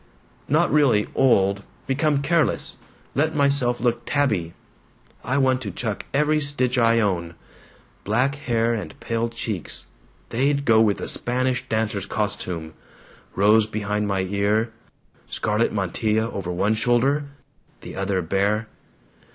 "Not really old. Become careless. Let myself look tabby. "I want to chuck every stitch I own. Black hair and pale cheeks they'd go with a Spanish dancer's costume rose behind my ear, scarlet mantilla over one shoulder, the other bare."